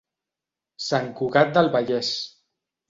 St Cugat del Vallès.